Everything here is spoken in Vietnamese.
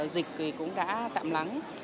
dịch thì cũng đã tạm lắng